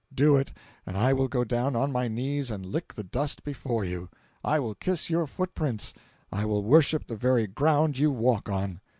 Do it, and I will go down on my knees and lick the dust before you! I will kiss your footprints—I will worship the very ground you walk on!